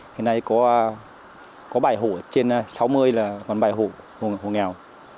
hiện nay có bảy hộ trên sáu mươi là còn bảy hộ nghèo